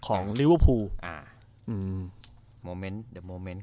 โอ้โห